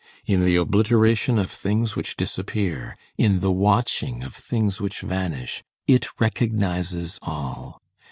In the obliteration of things which disappear, in the watching of things which vanish, it recognizes all.